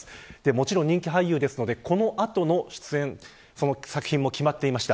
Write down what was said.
もちろん人気俳優ですのでこの後の出演や作品も決まっていました。